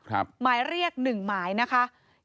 หมายเรียก๑หมายนะคะ